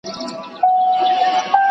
¬ خوار سو د ټره ونه لوېدئ.